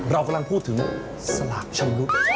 เรากำลังพูดถึงสลากชำรุด